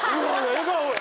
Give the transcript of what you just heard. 笑顔や！」